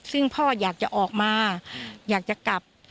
ซึ่งพ่ออยากจะออกมาอยากจะกลับ